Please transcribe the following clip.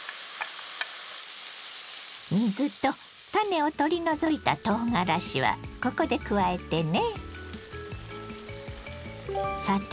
水と種を取り除いたとうがらしはここで加えてね。